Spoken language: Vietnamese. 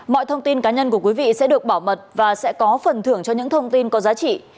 mọi thông tin cá nhân của quý vị sẽ được bảo mật và sẽ có phần thưởng cho những thông tin có giá trị